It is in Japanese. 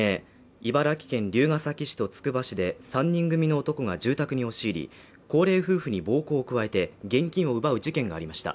茨城県龍ケ崎市とつくば市で３人組の男が住宅に押し入り高齢夫婦に暴行を加えて現金を奪う事件がありました